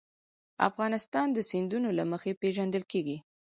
افغانستان د سیندونه له مخې پېژندل کېږي.